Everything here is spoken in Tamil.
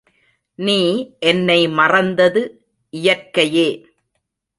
நீ என்னை மறந்தது இயற்கையே.